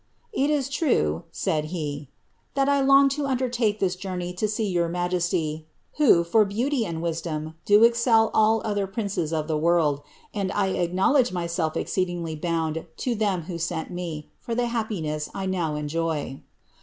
" It is true," said he, " that I longed to undertake this journey to see your majesty, who, for beauty and wisdom, do excel all other princes of the world; and I acknowledge myself exceedingly bound lo ilim who sent me, for the happiness 1 now enjoy."'